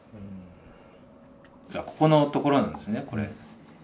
ここのところなんですねこれ。